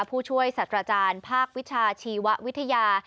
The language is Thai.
ผู้ช่วยสัตว์อาจารย์ภาควิชาชีววิทยา